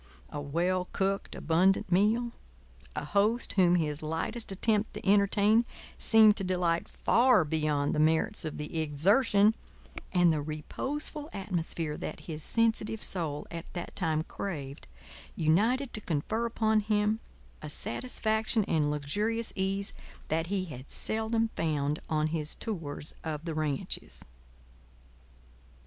A well cooked, abundant meal, a host whom his lightest attempt to entertain seemed to delight far beyond the merits of the exertion, and the reposeful atmosphere that his sensitive soul at that time craved united to confer upon him a satisfaction and luxurious ease that he had seldom found on his tours of the ranches.